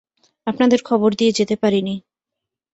আপনাদের খবর দিয়ে যেতে পারি নি।